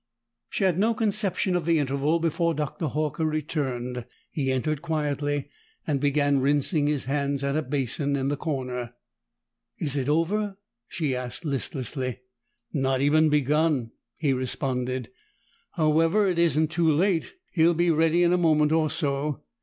She had no conception of the interval before Dr. Horker returned. He entered quietly, and began rinsing his hands at a basin in the corner. "Is it over?" she asked listlessly. "Not even begun," he responded. "However, it isn't too late. He'll be ready in a moment or so."